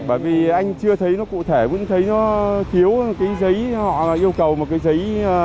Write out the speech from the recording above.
bởi vì anh chưa thấy nó cụ thể vẫn thấy nó thiếu cái giấy họ là yêu cầu một cái giấy